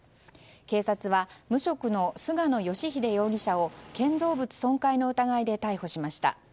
警察は無職の菅野義秀容疑者を建造物損壊の疑いで逮捕しました。